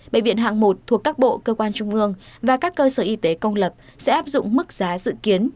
bệnh viện hạng một thuộc các bộ cơ quan trung ương và các cơ sở y tế công lập sẽ áp dụng mức giá dự kiến